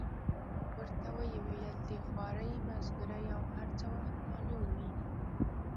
ورته ویې ویل: د خوارۍ مزدورۍ او هر څه وخت معلوم وي.